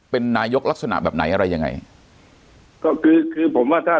เป็นนายกลักษณะแบบไหนอะไรยังไงก็คือคือผมว่าถ้า